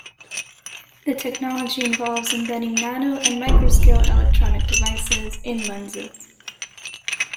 The technology involves embedding nano and microscale electronic devices in lenses.